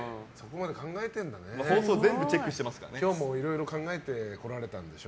放送今日もいろいろ考えてこられたんでしょ。